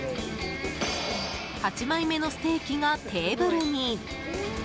８枚目のステーキがテーブルに。